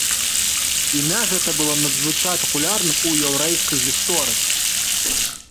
Імя гэта было надзвычай папулярным у яўрэйскай гісторыі.